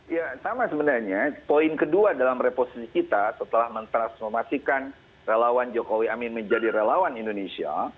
ya sama sebenarnya poin kedua dalam reposisi kita setelah mentransformasikan relawan jokowi amin menjadi relawan indonesia